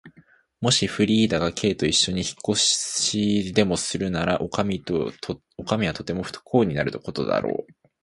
もしフリーダが Ｋ といっしょに引っ越しでもするなら、おかみはとても不幸になることだろう。